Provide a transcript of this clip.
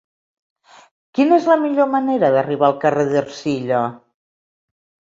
Quina és la millor manera d'arribar al carrer d'Ercilla?